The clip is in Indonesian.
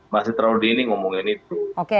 masih terlalu dini ngomongin itu